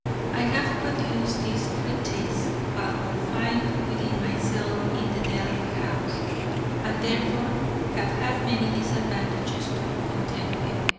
I have produced this treatise while confined within my cell in the death house, and therefore have had many disadvantages to contend with.